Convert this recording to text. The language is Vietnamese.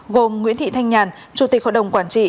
gồm nguyễn thị thanh nhàn chủ tịch hội đồng quản trị